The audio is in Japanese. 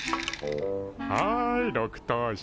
はい６等賞。